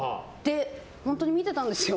本当に見てたんですよ。